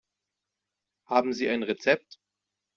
Haben Sie ein Rezept?